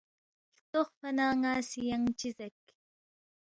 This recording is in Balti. ہلتوقفا نہ ن٘ا سی ینگ چِہ زیک؟